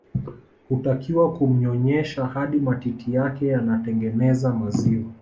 Hutakiwa kumnyonyesha hadi matiti yake yanatengeneza maziwa